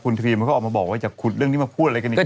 คุณฟิล์มก็ออกมาบอกว่าอย่าคุดเรื่องนี้มาพูดอะไรกันอีกเลย